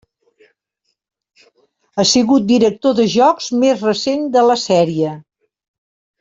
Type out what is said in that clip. Ha sigut director de jocs més recents de la sèrie.